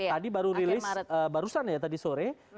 tadi baru rilis barusan ya tadi sore